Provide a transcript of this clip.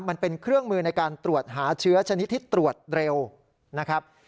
มันเป็นเครื่องมือในการตรวจหาเชื้อชนิดที่ตรวจเร็วนะครับ